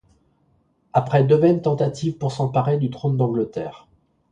Après deux vaines tentatives pour s'emparer du trône d'Angleterre.